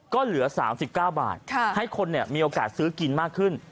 ก็เหลือสามสิบก้าวบาทค่ะให้คนเนี่ยมีโอกาสซื้อกินมากขึ้น